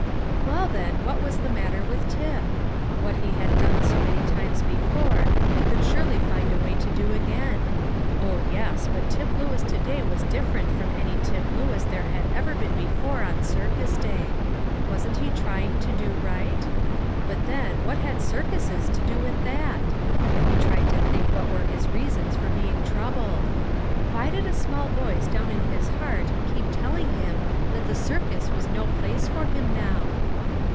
Well, then, what was the matter with Tip? What he had done so many times before, he could surely find a way to do again. Oh yes! But Tip Lewis to day was different from any Tip Lewis there had ever been before on circus day. Wasn't he trying to do right? But then, what had circuses to do with that? He tried to think what were his reasons for being troubled! Why did a small voice down in his heart keep telling him that the circus was no place for him now?